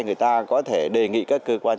người ta có thể đề nghị các cơ quan